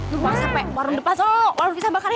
lo buang sampe warung depan so warung pisah bakar ya